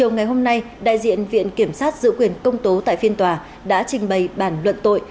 ngày hôm nay đại diện viện kiểm sát giữ quyền công tố tại phiên tòa đã trình bày bản luận tội